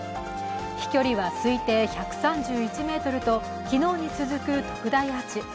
飛距離は推定１３１ｍと昨日に続く特大アーチ。